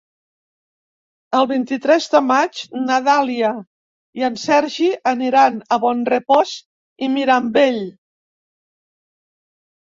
El vint-i-tres de maig na Dàlia i en Sergi aniran a Bonrepòs i Mirambell.